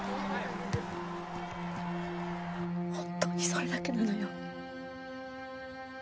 本当にそれだけなのよ。